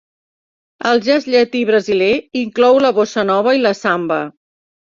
El jazz llatí brasiler inclou la bossa nova i la samba.